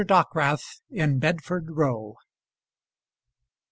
DOCKWRATH IN BEDFORD ROW. Mr.